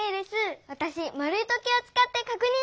わたしまるい時計をつかってかくにんしてみたい！